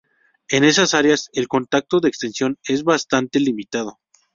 En esas áreas el contacto de extensión es bastante limitado.